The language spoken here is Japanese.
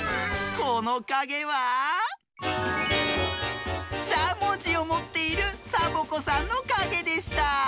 このかげはしゃもじをもっているサボ子さんのかげでした。